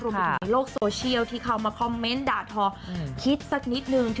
ในโลกโซเชียลที่เข้ามาคอมเมนต์ด่าทอคิดสักนิดนึง